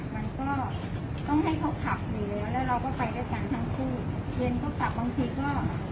มันก็ต้องให้เขาขับอยู่แล้วแล้วเราก็ไปด้วยกันทั้งคู่เย็นก็ขับบางทีก็